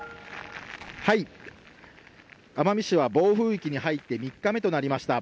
奄美市は暴風域に入って３日目となりました。